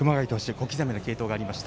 小刻みな継投がありました。